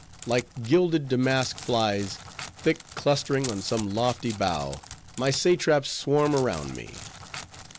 Like gilded damask flies, thick clustering on some lofty bough, my satraps swarm around me.